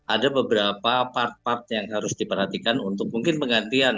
ada beberapa part part yang harus diperhatikan untuk mungkin penggantian